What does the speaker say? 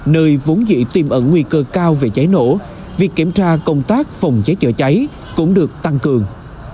nơi vốn dị tiêm ẩn nguy cơ cao về cháy nổ việc kiểm tra công tác phòng cháy chữa cháy cũng được tăng cường